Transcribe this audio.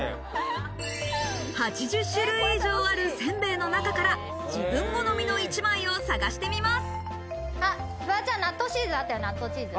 ８０種類以上ある煎餅の中から自分好みの一枚を探してみます。